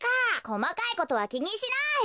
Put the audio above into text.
こまかいことはきにしない！